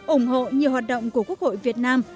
ủng hộ nhiều hoạt động của quốc hội việt nam